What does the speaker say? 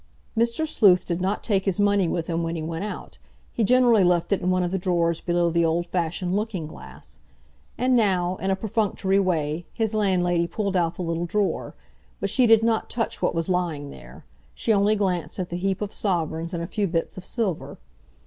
Mr. Sleuth did not take his money with him when he went out, he generally left it in one of the drawers below the old fashioned looking glass. And now, in a perfunctory way, his landlady pulled out the little drawer, but she did not touch what was lying there; she only glanced at the heap of sovereigns and a few bits of silver.